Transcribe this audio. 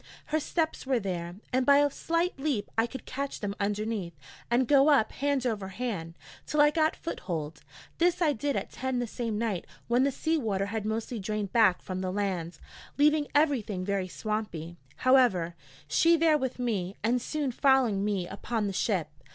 Her steps were there, and by a slight leap I could catch them underneath and go up hand over hand, till I got foothold; this I did at ten the same night when the sea water had mostly drained back from the land, leaving everything very swampy, however; she there with me, and soon following me upon the ship.